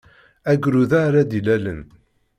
Agrud-a ara d-ilalen.